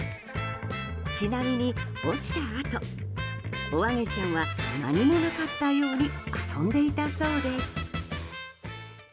ちなみに、落ちたあとおあげちゃんは何もなかったように遊んでいたそうです。